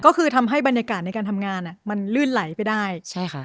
ก็คือทำให้บรรยากาศในการทำงานอ่ะมันลื่นไหลไปได้ใช่ค่ะ